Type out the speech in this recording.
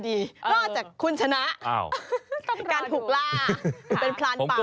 ติดตามทางราวของความน่ารักกันหน่อย